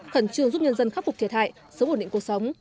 khẩn trương giúp nhân dân khắc phục thiệt hại sớm ổn định cuộc sống